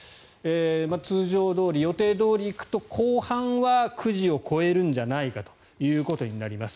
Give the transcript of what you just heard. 通常どおり予定どおりいくと後半は９時を超えるんじゃないかということになります。